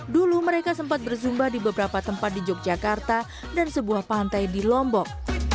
dulu mereka sempat berzumba di beberapa tempat di yogyakarta dan sebuah pantai di lombok